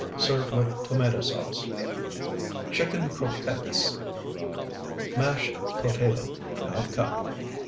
Serve with tomato sauce. CHICKEN CROQUETTES Mashed potato, ½ cup.